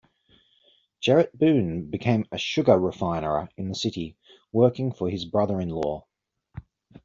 Gerrit Boon became a sugar refinerer in the city, working for his brother-in-law.